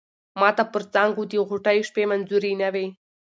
ماته پر څانگو د غوټیو شپې منظوری نه وې